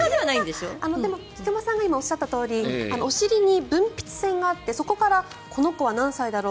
菊間さんがおっしゃったとおりお尻に分泌腺があってそこからこの子は何才だろう？